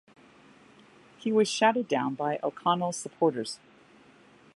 He was shouted down by O'Connell's supporters.